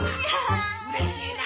うれしいな。